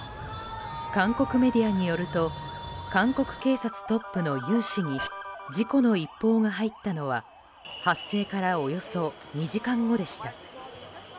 韓国メディアによると韓国警察トップのユン氏に事故の一報が入ったのは発生からおよそ２時間後でした。